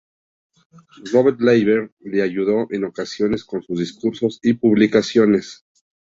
Robert Leiber le ayudó en ocasiones con sus discursos y publicaciones.